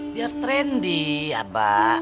biar trendy abah